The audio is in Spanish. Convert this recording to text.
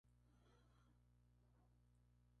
Nelly Lemus Villa.